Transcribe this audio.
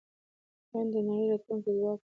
هند د نړۍ راتلونکی ځواک دی.